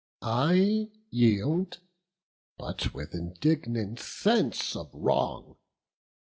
I yield, but with indignant sense of wrong.